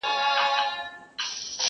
نو دا څنکه د ده څو چنده فایده ده,